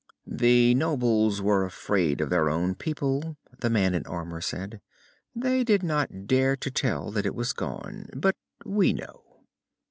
"The nobles were afraid of their own people," the man in armor said. "They did not dare to tell that it was gone. But we know."